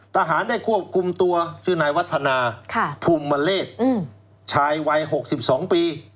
ทหารได้ควบคุมตัวชื่อนายวัฒนาค่ะพุ่มเมล็ดอืมชายวัยหกสิบสองปี